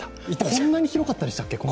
こんなに広かったでしたっけ？